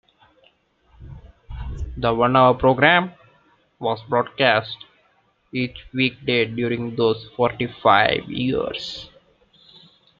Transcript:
The one-hour program was broadcast each weekday during those forty-five years.